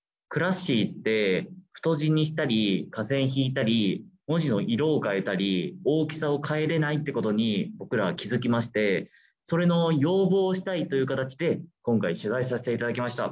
「Ｃｌａｓｓｉ」って太字にしたり下線引いたり文字の色を変えたり大きさを変えれないってことに僕らは気付きましてそれの要望をしたいという形で今回取材させて頂きました。